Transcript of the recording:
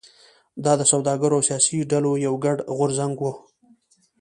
دا د سوداګرو او سیاسي ډلو یو ګډ غورځنګ و.